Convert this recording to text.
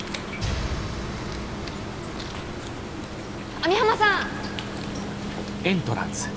網浜さん！